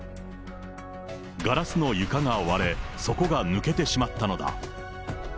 ガラスの床が割れ、底が抜けてしまったのだ。